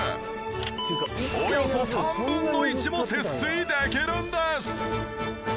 およそ３分の１も節水できるんです！